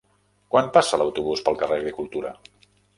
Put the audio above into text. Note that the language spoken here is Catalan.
Quan passa l'autobús pel carrer Agricultura?